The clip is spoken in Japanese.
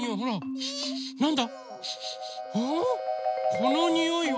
このにおいは。